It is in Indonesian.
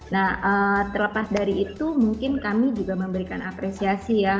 nah terlepas dari itu mungkin kami juga memberikan apresiasi ya